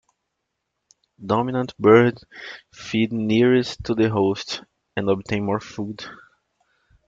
Dominant birds feed nearest to the host, and obtain more food.